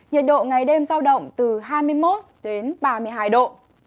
nhiệt độ ngày đêm giao động từ hai mươi một đến ba mươi hai độ